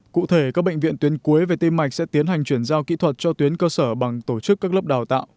cụ thể các bệnh viện tuyến cuối về tim mạch sẽ tiến hành chuyển giao kỹ thuật cho tuyến cơ sở bằng tổ chức các lớp đào tạo